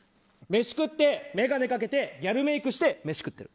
飯食って眼鏡かけてギャルメイクして飯食ってる。